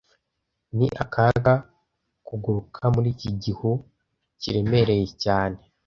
Ni akaga kuguruka muri iki gihu kiremereye cyane